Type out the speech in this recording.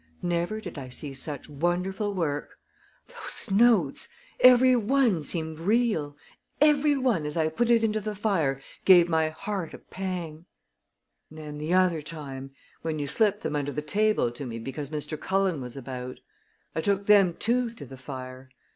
Never did I see such wonderful work! Those notes every one seemed real! Every one, as I put it into the fire, gave my heart a pang. "And then, the other time when you slipped them under the table to me because Mr. Cullen was about! I took them, too, to the fire.